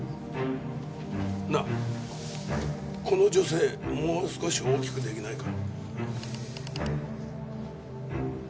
なあこの女性もう少し大きく出来ないか？